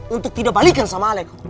untuk tidak balikan sama alex